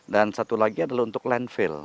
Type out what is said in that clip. dan satu lagi adalah untuk landfill